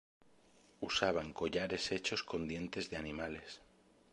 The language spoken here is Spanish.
Usaban collares hechos con dientes de animales.